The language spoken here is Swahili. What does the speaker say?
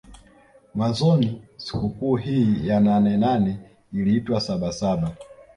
Mwanzoni sikukuu hii ya nane nane iliitwa saba saba